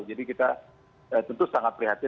jadi kita tentu sangat prihatin